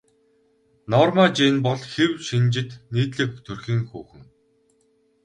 Норма Жин бол хэв шинжит нийтлэг төрхийн хүүхэн.